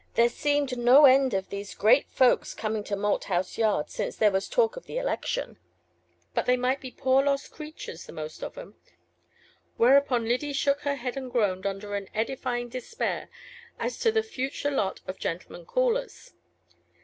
There seemed no end of these great folks coming to Malthouse Yard since there was talk of the election; but they might be poor lost creatures the most of 'em." Whereupon Lyddy shook her head and groaned, under an edifying despair as to the future lot of gentlemen callers.